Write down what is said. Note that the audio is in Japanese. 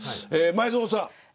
前園さん。